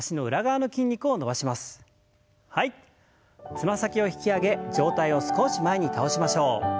つま先を引き上げ上体を少し前に倒しましょう。